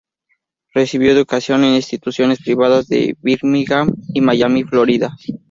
Recibió educación en instituciones privadas de Birmingham y Miami, Florida.